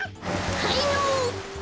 はいのっ！